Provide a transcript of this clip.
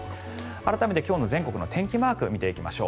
改めて今日の全国の天気マーク見ていきましょう。